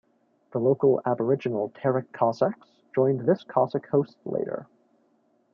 The local aboriginal Terek Cossacks joined this Cossack host later.